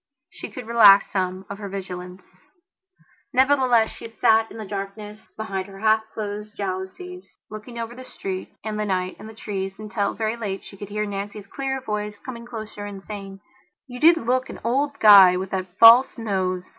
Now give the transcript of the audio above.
She could relax some of her vigilance. Nevertheless, she sat in the darkness behind her half closed jalousies, looking over the street and the night and the trees until, very late, she could hear Nancy's clear voice coming closer and saying: "You did look an old guy with that false nose."